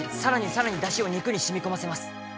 さらに出汁を肉に染み込ませます